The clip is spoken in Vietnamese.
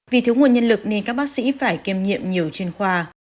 vì thiếu nguồn nhân lực nên các bác sĩ phải kiêm nhiệm nhiều chuyên khoa